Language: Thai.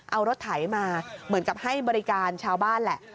เอารถไถมาเหมือนกับให้บริการชาวบ้านแหละ